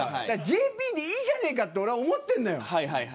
だからＪＰでいいじゃないかって俺は思ってんのよ。